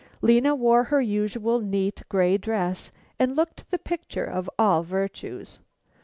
Lena wore her usual neat gray dress, and looked the picture of all the virtues.